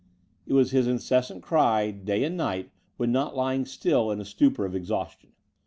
It was his incessant cry day and night when not lying still in a stupor of exhaustion.